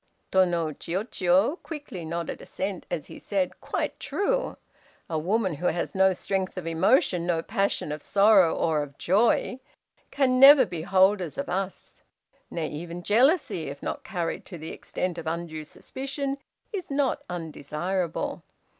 Tô no Chiûjiô quickly nodded assent, as he said, "Quite true! A woman who has no strength of emotion, no passion of sorrow or of joy, can never be holders of us. Nay even jealousy, if not carried to the extent of undue suspicion, is not undesirable.